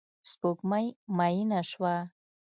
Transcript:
سپوږمۍ میینه شوه